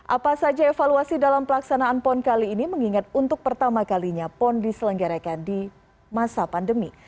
apa saja evaluasi dalam pelaksanaan pon kali ini mengingat untuk pertama kalinya pon diselenggarakan di masa pandemi